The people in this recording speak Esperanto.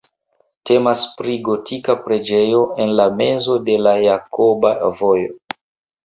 Temas pri gotika preĝejo en la mezo de la Jakoba Vojo.